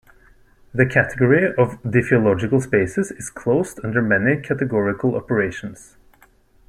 The category of diffeological spaces is closed under many categorical operations.